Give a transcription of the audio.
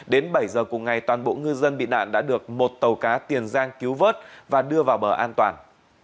đến bảy giờ cùng ngày toàn bộ ngư dân bị nạn đã được một tàu cá tiền giang cứu vớt và đưa vào bờ an toàn